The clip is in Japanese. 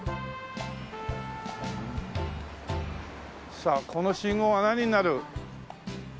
さあこの信号は何になる？